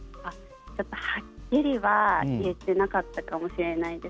はっきりは言っていなかったかもしれないです。